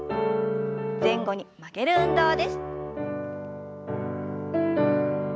前後に曲げる運動です。